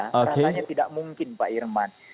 rasanya tidak mungkin pak irman